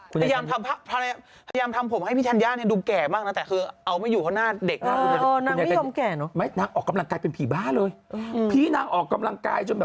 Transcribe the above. กูพยายามทำผมให้แก่มาเพราะว่าคุณนายธัญญาหน้าเต้งเว้อ